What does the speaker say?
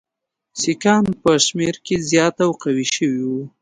سیکهان په شمېر کې زیات او قوي شوي وو.